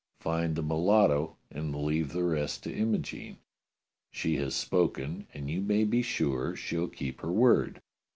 Find that mulatto, and leave the rest to Imogene. She has spoken, and you may be sure she'll keep her word.